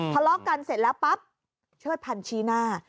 ทะเลาะกันเสร็จแล้วปั๊บเชิดพันธ์ชี้หน้า